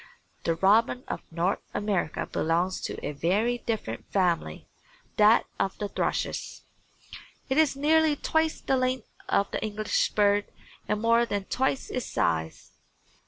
The robin of North America belongs to a very different family that of the thrushes. It is nearly twice the length of the English bird and more than twice its size.